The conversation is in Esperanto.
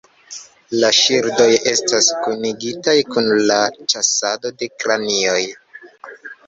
La ŝildoj estas kunigitaj kun la ĉasado de kranioj.